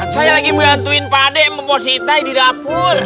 saya lagi ngebantuin pak adek membawa si itai di dapur